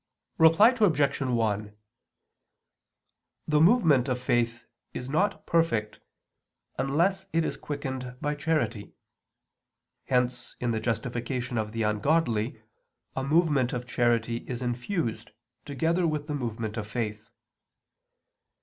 Reply Obj. 1: The movement of faith is not perfect unless it is quickened by charity; hence in the justification of the ungodly, a movement of charity is infused together with the movement of faith.